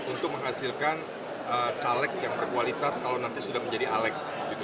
untuk menghasilkan caleg yang berkualitas kalau nanti sudah menjadi alek